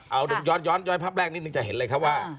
เอาย้อนภาพแรกนิดนึงจะเห็นเลยครับว่า